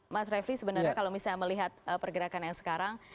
mas refli sebenarnya kalau misalnya melihat pergerakan yang sekarang